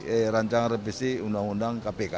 eh rancangan revisi undang undang kpk